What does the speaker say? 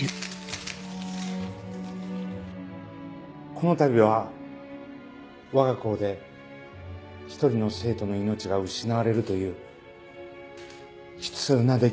このたびはわが校で一人の生徒の命が失われるという悲痛な出来事が起き